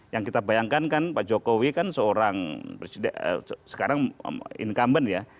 yang kita bayangkan kan pak jokowi kan seorang presiden sekarang incumbent ya